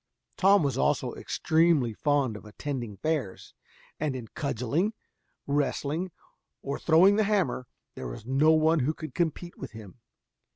Tom was also extremely fond of attending fairs; and in cudgeling, wrestling, or throwing the hammer, there was no one who could compete with him.